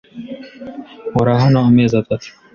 Nkora hano amezi atatu.